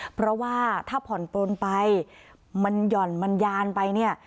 เพราะว่าถ้าผ่อนปลนไปมันหย่อนมันยานไปเนี่ย